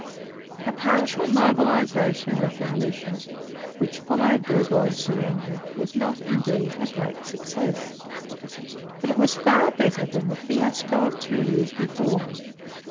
The partial mobilization of the militia which followed Burgoyne's surrender was not, indeed, a great success. But it was far better than the fiasco of two years before.